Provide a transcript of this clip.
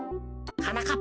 はなかっ